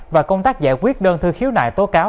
và công tác giải quyết đơn thư khiếu nại tố cáo